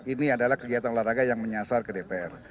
ini adalah kegiatan olahraga yang menyasar ke dpr